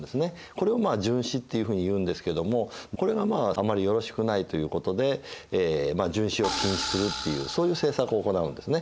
これを殉死っていうふうに言うんですけどもこれがまああまりよろしくないということで殉死を禁止するっていうそういう政策を行うんですね。